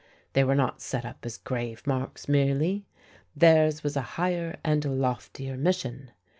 They were not set up as grave marks merely theirs was a higher and loftier mission.